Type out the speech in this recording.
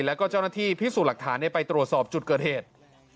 แล้วก็เจ้าหน้าที่พิสูจน์หลักฐานไปตรวจสอบจุดเกิดเหตุ